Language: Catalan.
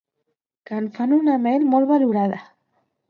que en fan una mel molt valorada